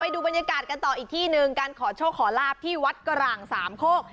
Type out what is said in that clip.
ดูบรรยากาศกันต่ออีกที่หนึ่งการขอโชคขอลาบที่วัดกร่างสามโคก